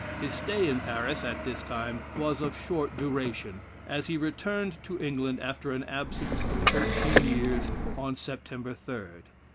His stay in Paris, at this time, was of short duration, as he returned to England after an absence of thirteen years, on September 3rd.